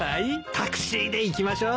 タクシーで行きましょう。